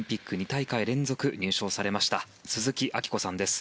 ２大会連続入賞されました鈴木明子さんです。